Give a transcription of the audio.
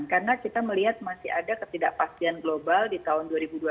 karena kita melihat masih ada ketidakpastian global di tahun dua ribu dua puluh satu